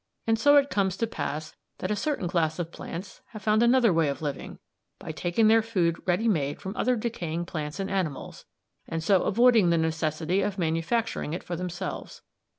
And so it comes to pass that a certain class of plants have found another way of living, by taking their food ready made from other decaying plants and animals, and so avoiding the necessity of manufacturing it for themselves.